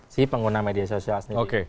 si pengguna media sosial sendiri